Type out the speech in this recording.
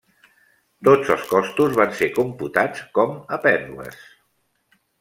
Tots els costos van ser computats com a pèrdues.